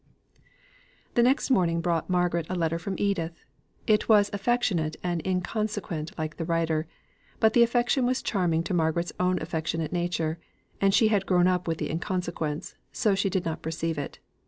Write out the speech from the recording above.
The next morning brought Margaret a letter from Edith. It was affectionate and inconsequent like the writer. But the affection was charming to Margaret's own affectionate nature; and she had grown up with the inconsequence, so she did not perceive it.